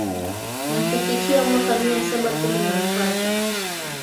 na kufikia mwaka Mia Saba kumi na mpka